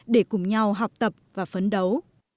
để cùng nhau học tập và phấn đấu